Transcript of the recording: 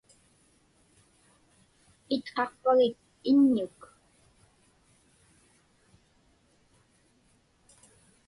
Itqaqpagik iññuk?